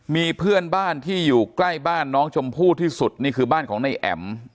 มีเพื่อนบ้านที่อยู่ใกล้บ้านน้องชมพู่ที่สุดนี่คือบ้านของนายแอ๋ม